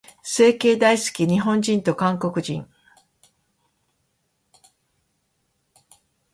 整形大好き、日本人と韓国人。